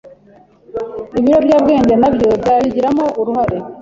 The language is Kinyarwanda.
Ibiyobyabwenge nabyo byabigiramo urahare